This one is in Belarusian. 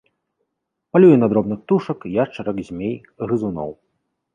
Палюе на дробных птушак, яшчарак, змей, грызуноў.